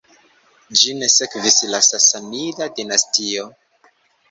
Ĝin sekvis la Sasanida dinastio.